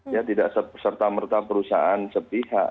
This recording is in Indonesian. ya tidak serta merta perusahaan sepihak